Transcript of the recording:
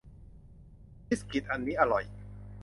บิสกิตอันนี้อร่อย